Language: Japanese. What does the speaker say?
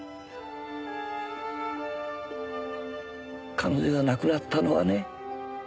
彼女が亡くなったのはね